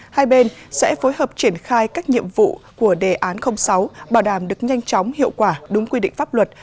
hai bên sẽ phối hợp triển khai các nhiệm vụ của đề án sáu bảo đảm được nhanh chóng hiệu quả đúng quy định pháp luật